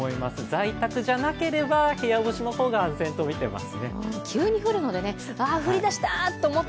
在宅じゃなければ部屋干しの方が安全と見ています。